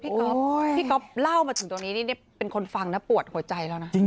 ก๊อฟพี่ก๊อฟเล่ามาถึงตรงนี้นี่เป็นคนฟังนะปวดหัวใจแล้วนะ